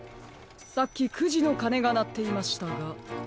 さっき９じのかねがなっていましたが。